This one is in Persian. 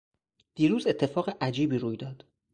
دیروز اتفاق عجیبی روی داد.